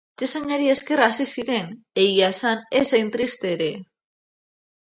Etxezainari esker hazi ziren, egia esanda ez hain triste ere.